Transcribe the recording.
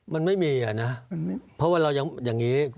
มันไม่มีอ่ะนะเพราะว่าเรายังอย่างนี้